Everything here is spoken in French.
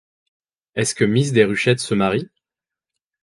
Est-ce que miss Déruchette se marie?